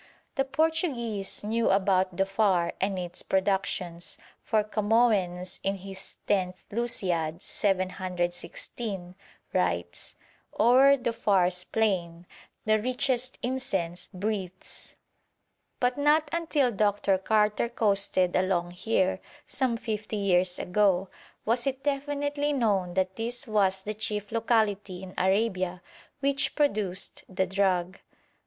The Portuguese knew about Dhofar and its productions, for Camoens, in his Tenth Lusiad, 716, writes: 'O'er Dhofar's plain the richest incense breathes.' But not until Dr. Carter coasted along here some fifty years ago was it definitely known that this was the chief locality in Arabia which produced the drug.